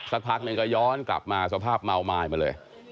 สักพักหนึ่งก็ย้อนกลับมาสภาพเมาไม้มาเลย